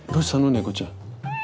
猫ちゃん。